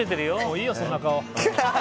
いいよ、そんな顔。